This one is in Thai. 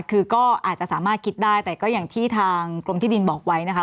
คือก็อาจจะสามารถคิดได้แต่ก็อย่างที่ทางกรมที่ดินบอกไว้นะคะ